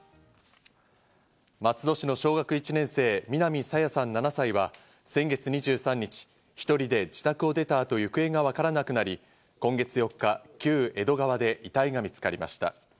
松戸市の小学１年生、南朝芽さん、７歳は先月２３日、１人で自宅を出た後、行方がわからなくなり、今月８日、旧江戸川で遺体が見つかりました。